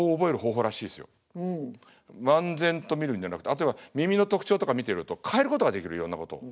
漫然と見るんじゃなくて例えば耳の特徴とか見てると変えることができるいろんなこと。